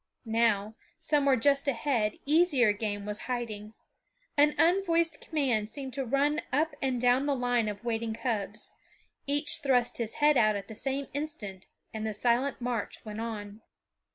Now, somewhere just ahead, easier game was hiding. An unvoiced command seemed to run up and down the line of waiting cubs. Each thrust his head out at the same instant and the silent march went on.